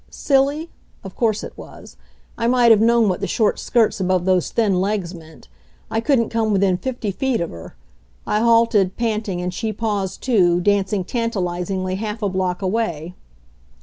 Silly? Of course it was. I might have known what the short skirts above those thin legs meant. I couldn't come within fifty feet of her. I halted, panting, and she paused, too, dancing tantalizingly half a block away.